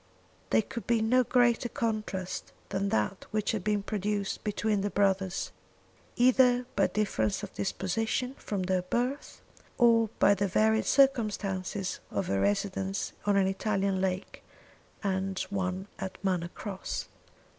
There could be no greater contrast than that which had been produced between the brothers, either by difference of disposition from their birth, or by the varied circumstances of a residence on an Italian lake and one at Manor Cross.